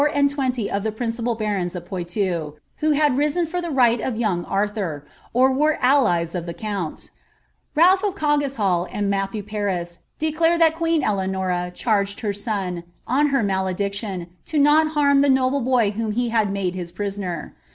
«nd twenly of the principal barons of |o had risen for the right of young Arthur, or were allies of Ralph of Coggeshall and Matthew Paris declare that queen ibarged her son, on her malediction, not to harm the noble >iu had made his prisoner.